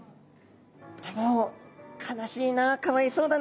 でも悲しいなかわいそうだな